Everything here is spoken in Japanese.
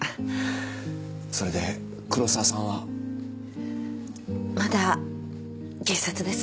それで黒沢さんは？まだ警察です。